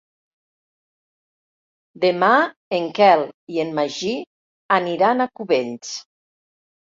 Demà en Quel i en Magí aniran a Cubells.